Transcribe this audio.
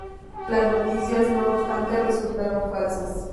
Las noticias, no obstante, resultaron falsas.